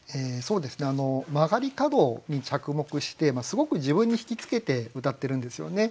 曲がり角に着目してすごく自分に引き付けてうたってるんですよね。